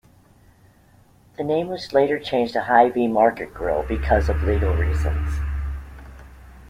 The name was later changed to Hy-Vee Market Grille because of legal reasons.